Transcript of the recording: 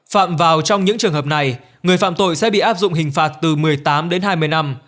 phạm vào trong những trường hợp này người phạm tội sẽ bị áp dụng hình phạt từ một mươi tám đến hai mươi năm